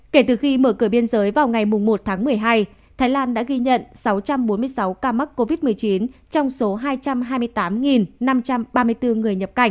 kể từ khi mở cửa biên giới vào ngày một tháng một mươi hai thái lan đã ghi nhận sáu trăm bốn mươi sáu ca mắc covid một mươi chín trong số hai trăm hai mươi tám năm trăm ba mươi bốn người nhập cảnh